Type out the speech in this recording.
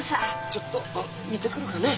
ちょっと見てくるかね